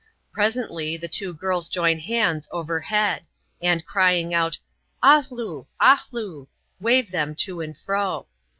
Presently, the two girls join hands over head ; and, crying out, " Ahloo ! ahloo !" wave them to and fro.